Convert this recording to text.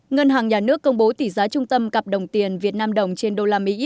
ngân hàng nhà nước công bố tỷ giá trung tâm cặp đồng tiền việt nam đồng trên usd